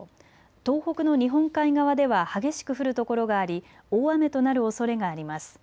東北の日本海側では激しく降る所があり大雨となるおそれがあります。